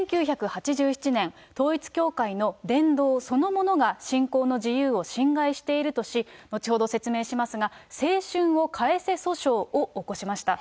１９８７年、統一教会の伝道そのものが信仰の自由を侵害しているとし、後ほど説明しますが、青春を返せ訴訟を起こしました。